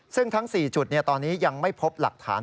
ซึ่งทั้ง๔จุดตอนนี้ยังไม่พบหลักฐาน